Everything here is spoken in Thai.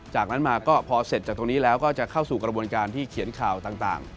จากนั้นมาก็พอเสร็จจากตรงนี้แล้วก็จะเข้าสู่กระบวนการที่เขียนข่าวต่าง